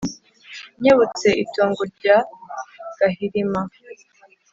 Nkebutse itongo rya Gahirima